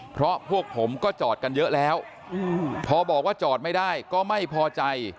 เพราะพวกผมก็จอดกันเยอะแล้วพอบอกว่าจอดไม่ได้ก็ไม่พอใจ